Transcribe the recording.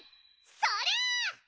そりゃ！